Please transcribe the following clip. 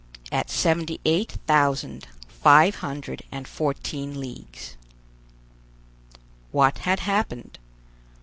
AT SEVENTY EIGHT THOUSAND FIVE HUNDRED AND FOURTEEN LEAGUES What had happened?